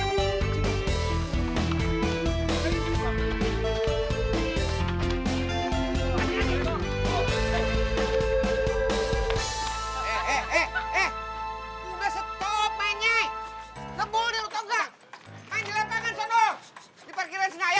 main di lapangan sonu di parkirin senayan kek